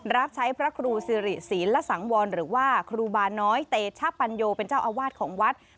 รับใช้พระครูสิริศีลสังวรหรือว่าครูบาน้อยเตชะปัญโยเป็นเจ้าอาวาสของวัด